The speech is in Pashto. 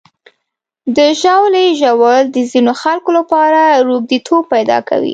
د ژاولې ژوول د ځینو خلکو لپاره روږديتوب پیدا کوي.